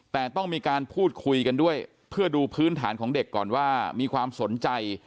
แต่ต้องมีการพูดคุยกันด้วยเพื่อดูพื้นฐานของเด็กก่อนว่ามีความสนใจ